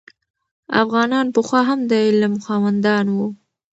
افغانان پخوا هم د علم خاوندان وو.